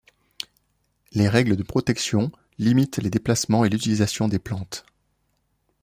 Les règles de protections limitent les déplacements et l’utilisation des plantes.